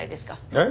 えっ？